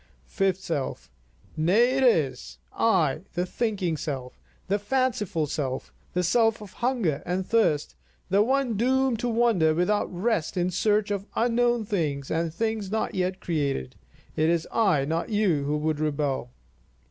Fifth Self: Nay, it is I, the thinking self, the fanciful self, the self of hunger and thirst, the one doomed to wander without rest in search of unknown things and things not yet created; it is I, not you, who would rebel.